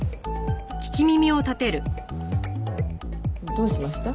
どうしました？